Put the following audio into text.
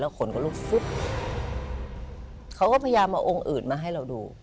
ขนก็ลุกฟุ๊บเขาก็พยายามเอาองค์อื่นมาให้เราดู